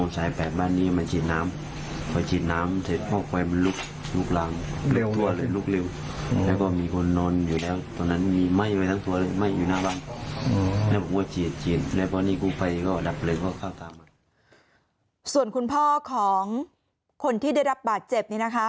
ส่วนคุณพ่อของคนที่ได้รับบาดเจ็บนี้นะคะ